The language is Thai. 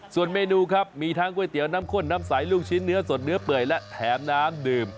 ส่วนเมนูครับมีทั้งก๋วยเตี๋ยวน้ำข้นน้ำใสลูกชิ้นเนื้อสดเนื้อเปื่อยและแถมน้ำดื่ม